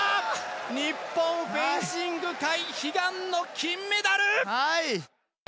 日本フェンシング界、悲願の金メダル！